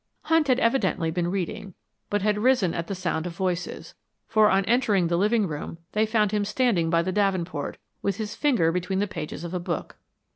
Hunt had evidently been reading, but had risen at the sound of voices, for on entering the living room they found him standing by the davenport, with his finger between the pages of a book.